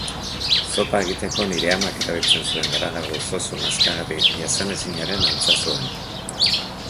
Zopa egiteko nire amak erabiltzen zuen garagardo zozo nazkagarri jasanezinaren antza zuen.